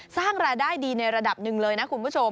สร้างรายได้ดีในระดับหนึ่งเลยนะคุณผู้ชม